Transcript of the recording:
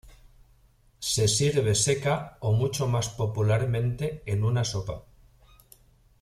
Se sirve seca o mucho más popularmente en una sopa.